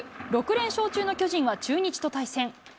６連勝中の巨人は中日と対戦。